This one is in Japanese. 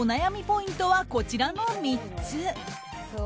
ポイントはこちらの３つ。